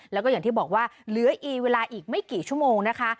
แล้วก็อย่างที่บอกว่าเหลืออีเวลาอีกไม่กี่ชั่วโมงนะคะ